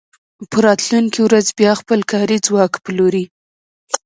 په راتلونکې ورځ بیا خپل کاري ځواک پلوري